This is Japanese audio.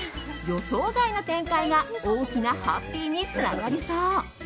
予想外の展開が大きなハッピーにつながりそう。